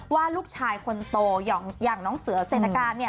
ว่าลูกชายคนโตอย่างน้องเสือเศรษฐการเนี่ย